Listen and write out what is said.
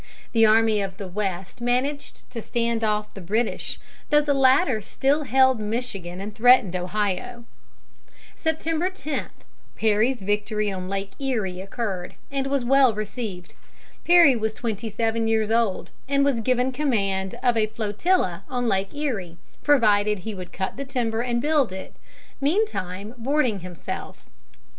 The army of the West managed to stand off the British, though the latter still held Michigan and threatened Ohio. [Illustration: BUILDING THE FLEET, MEANTIME BOARDING HIMSELF.] September 10, Perry's victory on Lake Erie occurred, and was well received. Perry was twenty seven years old, and was given command of a flotilla on Lake Erie, provided he would cut the timber and build it, meantime boarding himself.